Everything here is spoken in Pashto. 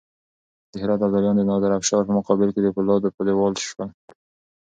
د هرات ابدالیان د نادرافشار په مقابل کې د فولادو دېوال شول.